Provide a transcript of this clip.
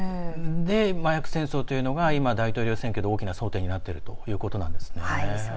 麻薬戦争というのが今、大統領選挙で大きな争点になっているということなんですね。